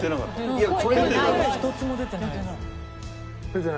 １つも出てないです。